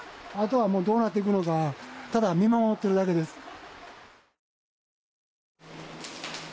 あとはもうどうなっていくのかただ見守ってるだけです。